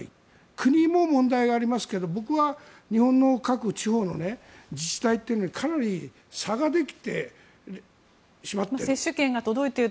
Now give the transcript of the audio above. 国も問題がありますけど僕は日本の各地方の自治体というのにかなり差ができてしまっている。